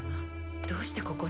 どうしてここに？